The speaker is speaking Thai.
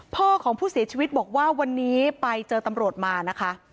พ่อของผู้เสียชีวิตบอกว่าวันนี้ไปเจอตำรวจมานะคะ